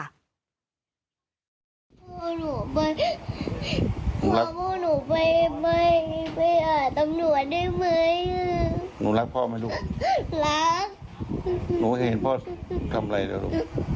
ลูกลูกลูกลูกพ่อหนูลูกทำผิดนิดเดียว